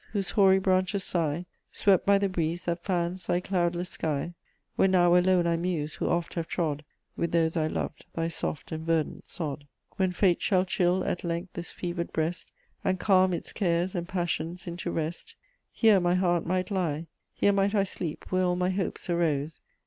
whose hoary branches sigh, Swept by the breeze that fans thy cloudless sky; Where now alone I muse, who oft have trod, With those I loved, thy soft and verdant sod. ........ When fate shall chill, at length, this fever'd breast, And calm its cares and passions into rest, ............ here my heart might lie; Here might I sleep where all my hopes arose